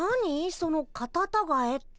そのカタタガエって。